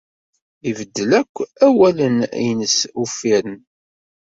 Ibeddel akk awalen-nnes uffiren.